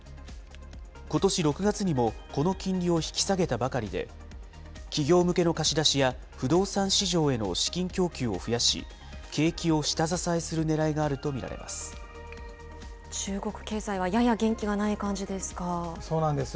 ことし６月にもこの金利を引き下げたばかりで、企業向けの貸し出しや不動産市場への資金供給を増やし、景気を下支えするねらいが中国経済はやや元気がない感そうなんです。